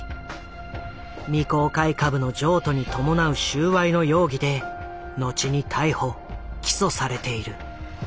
未公開株の譲渡に伴う収賄の容疑でのちに逮捕起訴されている。